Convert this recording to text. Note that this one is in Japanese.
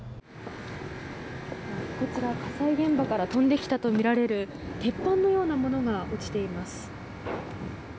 こちら、火災現場から飛んできたとみられる鉄板のようなものが落ちています。